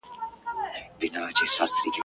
مامي سوګند پر هر قدم ستا په نامه کولای ..